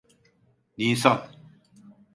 Nisan…